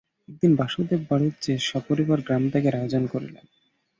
একদিন বাসুদেব বাড়ুজ্যে সপরিবারে গ্রামত্যাগের আয়োজন করিলেন।